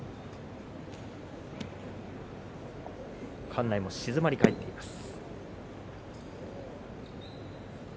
館内も静まり返っています。